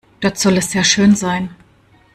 Dort soll es sehr schön sein.